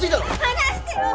離してよ！